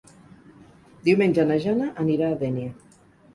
Diumenge na Jana anirà a Dénia.